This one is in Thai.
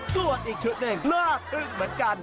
ส่วนอีกชุดหนึ่งลากอึ้งเหมือนกัน